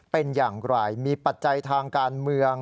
เป็นอย่างไรมีปัจจัยทางการเมือง